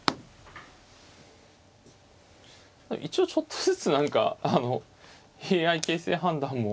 一応ちょっとずつ何かあのＡＩ形勢判断も。